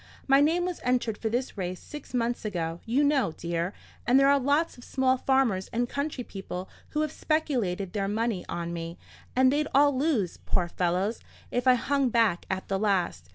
My name was entered for this race six months ago, you know, dear; and there are lots of small farmers and country people who have speculated their money on me; and they'd all lose, poor fellows, if I hung back at the last.